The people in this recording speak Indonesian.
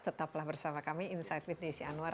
tetaplah bersama kami insight with desi anwar